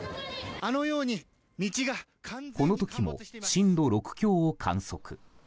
この時も震度６強を観測。